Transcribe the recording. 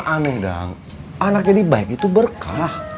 kamu aneh dong anak yang baik itu berkah